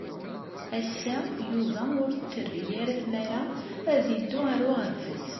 Ass-a, Yuba ur t-terri ara tmara ad yeddu ɣer uɣerbaz.